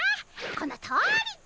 このとおり！